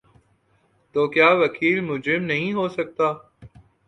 تو کیا وکیل مجرم نہیں ہو سکتا؟